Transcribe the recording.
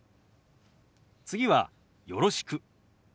次は「よろしく」。